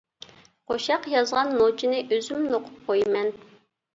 قوشاق يازغان نوچىنى، ئۆزۈم نوقۇپ قويىمەن.